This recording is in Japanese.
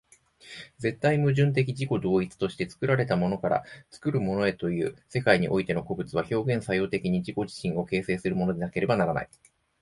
絶対矛盾的自己同一として、作られたものから作るものへという世界においての個物は、表現作用的に自己自身を形成するものでなければならない。